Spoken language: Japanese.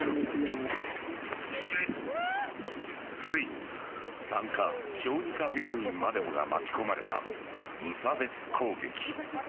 ついに産科・小児科病院までもが巻き込まれた、無差別攻撃。